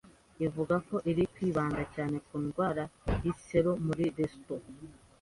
Ivuga ko iri kwibanda cyane ku ndwara y'iseru muri Lesotho,